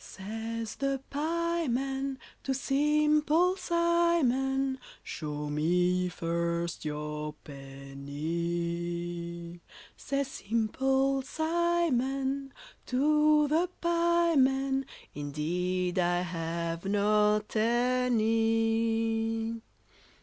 Says the pieman to Simple Simon, "Show me first your penny." Says Simple Simon to the pieman, "Indeed, I have not any."